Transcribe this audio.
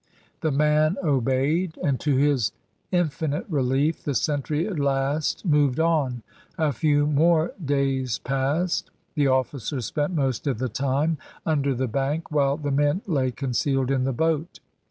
The man obeyed, and to his infinite relief the sentry at last moved on. A few more days passed. The officers spent most of the time under the bank while the men lay concealed in the boat.